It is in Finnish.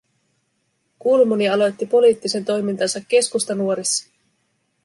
Kulmuni aloitti poliittisen toimintansa Keskustanuorissa